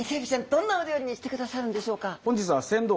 どんなお料理にしてくださるんでしょうか？